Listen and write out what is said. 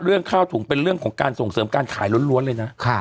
เรื่องข้าวถุงเป็นเรื่องของการส่งเสริมการขายล้วนเลยนะ